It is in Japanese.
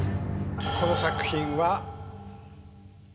この作品は。